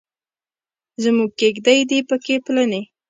زموږ کیږدۍ دې پکې پلنې.